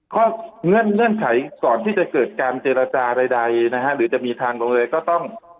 เงื่อนไขก่อนที่จะเกิดการเจรจาใดนะฮะหรือจะมีทางโรงเรียนก็ต้อง